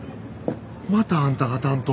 またあんたが担当？